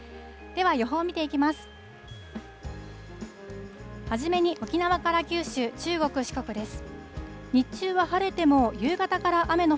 では、予報見ていきます。